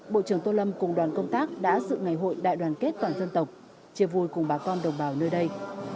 bộ trưởng tô lâm cùng đoàn công tác đã sự ngày hội đại đoàn kết toàn dân tộc chia vui cùng bà con đồng bào nơi đây